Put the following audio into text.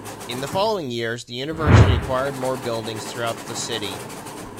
In the following years, the university acquired more buildings throughout the city.